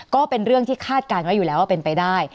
ก็เป็นเรื่องที่คาดการณ์ไว้อยู่แล้วว่าเป็นไปได้